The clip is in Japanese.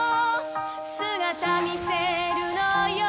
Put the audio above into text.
姿見せるのよ